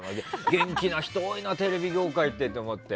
元気な人多いなテレビ業界と思って。